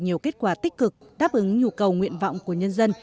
nhiều kết quả tích cực đáp ứng nhu cầu nguyện vọng của nhân dân